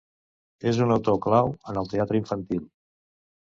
És un autor clau en el teatre infantil.